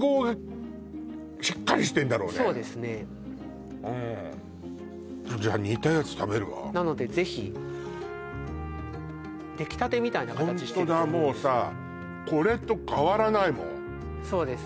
はいもうだからそうですねうんじゃあ煮たやつ食べるわなのでぜひできたてみたいな形してると思うんですけどホントだもうさこれと変わらないもんそうです